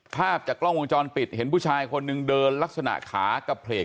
ภาพจากกล้องวงจรปิดเห็นผู้ชายคนหนึ่งเดินลักษณะขากระเพลก